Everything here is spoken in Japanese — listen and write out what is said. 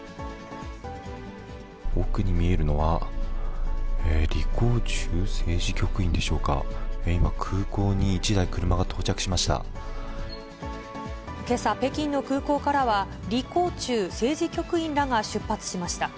奥に見えるのは、李鴻忠政治局員でしょうか、今、空港に１台、車が到着しましけさ、北京の空港からは、李鴻忠政治局員らが出発しました。